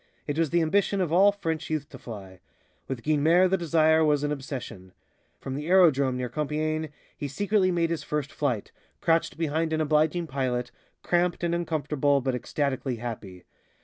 It was the ambition of all French youth to fly. With Guynemer the desire was an obsession. From the aerodrome near Compiègne he secretly made his first flight, crouched behind an obliging pilot, cramped and uncomfortable, but ecstatically happy.